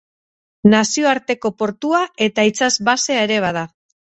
Nazioarteko portua eta itsas basea ere bada.